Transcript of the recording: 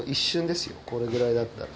これぐらいだったら。